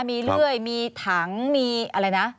มีเลื่อยมีถังมีอะไรนะ